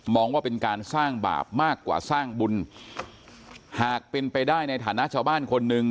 ว่าเป็นการสร้างบาปมากกว่าสร้างบุญหากเป็นไปได้ในฐานะชาวบ้านคนหนึ่ง